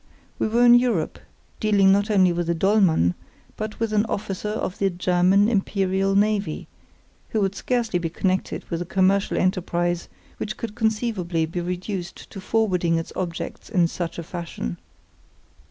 We were in Europe, dealing not only with a Dollmann, but with an officer of the German Imperial Navy, who would scarcely be connected with a commercial enterprise which could conceivably be reduced to forwarding its objects in such a fashion.